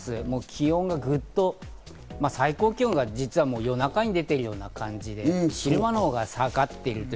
気温がぐっと最高気温が実は夜中に出ているような感じで、今のほうが下がってる。